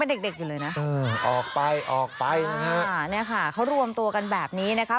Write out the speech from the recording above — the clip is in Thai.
นี่ค่ะเขารวมตัวกันแบบนี้นะครับ